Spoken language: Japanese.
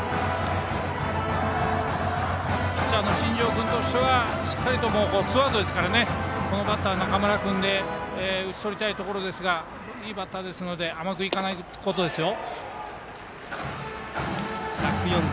ピッチャーの新庄君としてはツーアウトですからこのバッター、中村君で打ち取りたいところですがいいバッターですので甘くいかないことですよ。